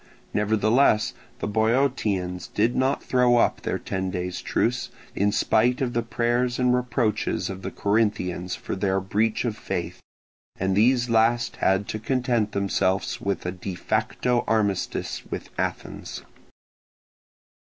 Nevertheless the Boeotians did not throw up their ten days' truce, in spite of the prayers and reproaches of the Corinthians for their breach of faith; and these last had to content themselves with a de facto armistice with Athens.